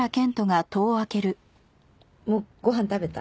もうご飯食べた？